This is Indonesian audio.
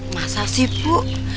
masa sih bu